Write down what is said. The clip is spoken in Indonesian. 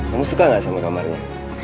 kamu suka nggak sama kamarnya